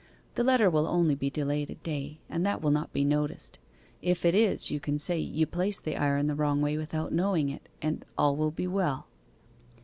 The letter will only be delayed a day, and that will not be noticed; if it is, you can say you placed the iron the wrong way without knowing it, and all will be well.